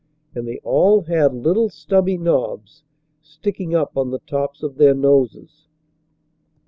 And they all had little stubby knobs sticking up on the tops of their noses.